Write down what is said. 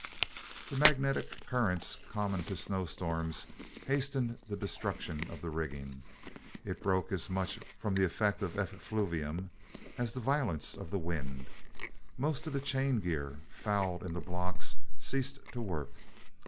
The magnetic currents common to snowstorms hastened the destruction of the rigging. It broke as much from the effect of effluvium as the violence of the wind. Most of the chain gear, fouled in the blocks, ceased to work.